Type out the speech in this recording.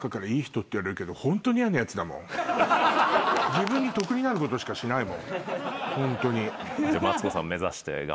自分に得になることしかしないもん。